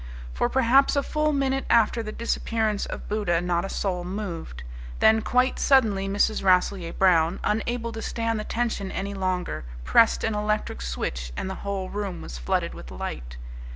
For perhaps a full minute after the disappearance of Buddha not a soul moved. Then quite suddenly Mrs. Rasselyer Brown, unable to stand the tension any longer, pressed an electric switch and the whole room was flooded with light.